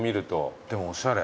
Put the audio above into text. でもおしゃれ。